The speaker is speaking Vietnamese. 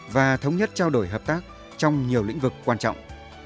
và thống nhất trao đổi hợp tác trong nhiều lĩnh vực quan trọng